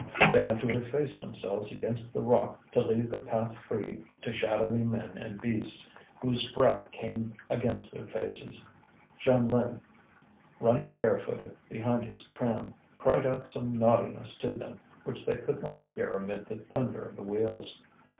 They had to efface themselves against the rock to leave the path free to shadowy men and beasts, whose breath came against their faces. Jeanlin, running barefooted behind his tram, cried out some naughtiness to them which they could not hear amid the thunder of the wheels.